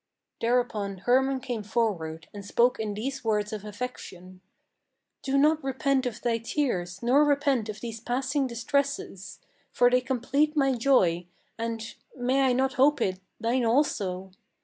Thereupon Hermann came forward, and spoke in these words of affection: "Do not repent of thy tears, nor repent of these passing distresses; For they complete my joy, and may I not hope it thine also?